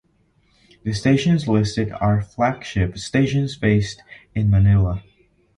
The stations listed are flagship stations based in Manila.